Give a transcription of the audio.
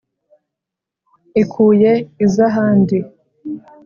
ikuye iz'ahandi,